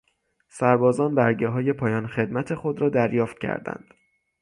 سربازان برگههای پایان خدمت خود را دریافت کردند.